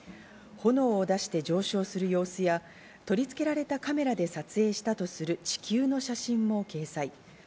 炎を出して上昇する様子や取り付けられたカメラで撮影したとする地球の写真も掲載。